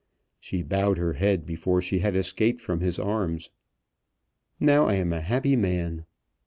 She bowed her head before she had escaped from his arms. "Now I am a happy man."